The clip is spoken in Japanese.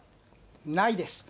ないです。